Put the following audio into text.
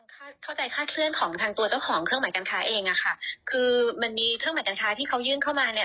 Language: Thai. เข้าใจคาดเคลื่อนของทางตัวเจ้าของเครื่องหมายการค้าเองอะค่ะคือมันมีเครื่องหมายการค้าที่เขายื่นเข้ามาเนี่ย